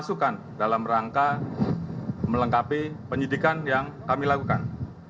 masukan dalam rangka melengkapi penyidikan yang kami lakukan